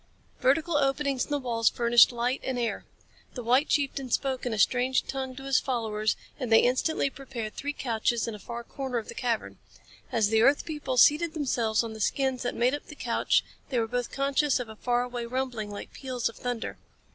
Vertical openings in the walls furnished light and air. The white chieftain spoke in a strange tongue to his followers, and they instantly prepared three couches in a far corner of the cavern. As the earth people seated themselves on the skins that made up the couch they were both conscious of a far away rumbling like peals of thunder.